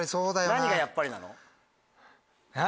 何が「やっぱり」なの？え？